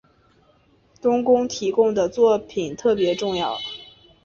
冬宫提供的作品特别重要。